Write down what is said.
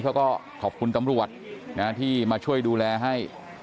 เขาก็ขอบคุณที่มาช่วยดูแลให้